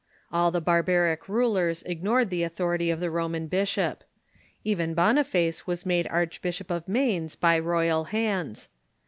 All the barbaric rulers ignored the authority of the Roman bishop. Even Boniface was made Archbishop of Mainz by ro}'al hands.